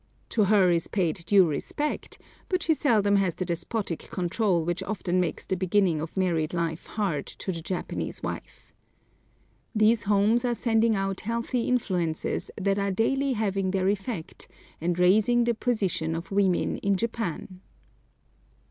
To her is paid due respect, but she seldom has the despotic control which often makes the beginning of married life hard to the Japanese wife. These homes are sending out healthy influences that are daily having their effect, and raising the position of women in Japan.